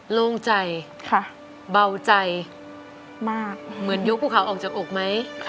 โล่งใจเบาใจมากเหมือนยกภูเขาออกจากอกไหม